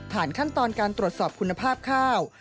ขั้นตอนการตรวจสอบคุณภาพข้าว